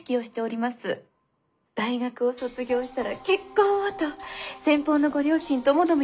大学を卒業したら結婚をと先方のご両親ともども